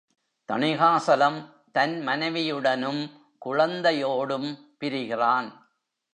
தணிகாசலம் தன் மனைவியுடனும் குழந்தையோடும் பிரிகிறான்.